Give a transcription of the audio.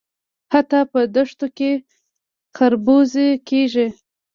حتی په دښتو کې خربوزې کیږي.